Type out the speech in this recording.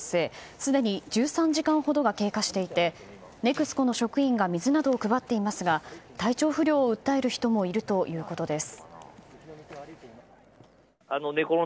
すでに１３時間ほどが経過していてＮＥＸＣＯの職員が水などを配っていますが体調不良を訴える人もいるということです。